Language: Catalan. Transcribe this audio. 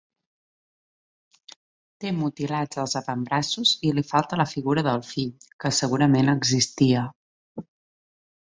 Té mutilats els avantbraços i li falta la figura del fill, que segurament existia.